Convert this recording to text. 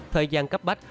thời gian cấp bách